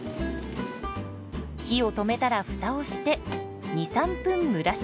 火を止めたらフタをして２３分蒸らします。